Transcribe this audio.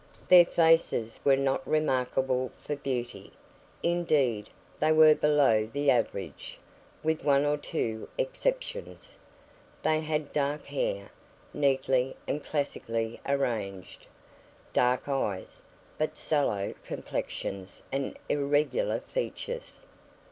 Their faces were not remarkable for beauty; indeed, they were below the average, with one or two exceptions; they had dark hair, neatly and classically arranged, dark eyes, but sallow complexions and irregular features.